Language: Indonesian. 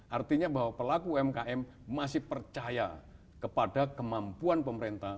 artinya bahwa pelaku umkm masih percaya kepada kemampuan pemerintah